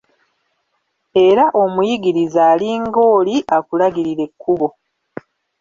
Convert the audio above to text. Era omuyigiriza ali ng'oli akulagirira ekkubo.